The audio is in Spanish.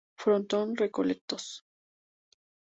Frontón Recoletos.